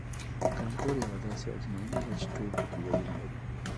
کانکور یوه داسې ازموینه ده چې ټول پکې ګډون لري